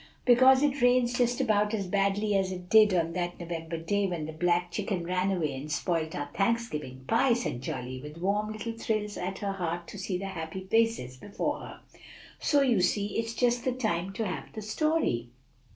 "Because it rains just about as badly as it did on that November day when the black chicken ran away and spoiled our Thanksgiving pie," said Polly, with warm little thrills at her heart to see the happy faces before her; "so you see it's just the time to have the story."